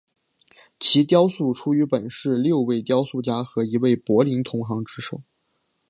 其雕塑出于本市六位雕塑家和一位柏林同行之手。